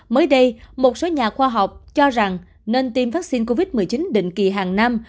mới đây một số nhà khoa học cho rằng nên tiêm vaccine covid một mươi chín định kỳ hàng năm